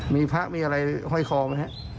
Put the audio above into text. มีพระมีอะไรห้อยคอไหมครับ